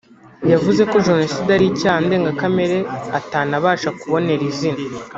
yavuze ko Jenoside ari icyaha ndengakamere atanabasha kubonera izina